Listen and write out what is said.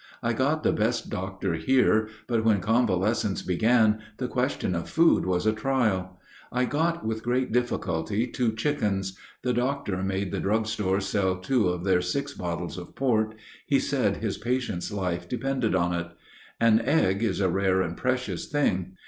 I got the best doctor here, but when convalescence began the question of food was a trial. I got with great difficulty two chickens. The doctor made the drug store sell two of their six bottles of port; he said his patient's life depended on it. An egg is a rare and precious thing.